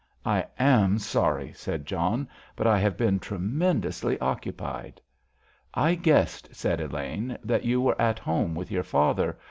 "I am sorry," said John, "but I have been tremendously occupied." "I guessed," said Elaine, "that you were at home with your father.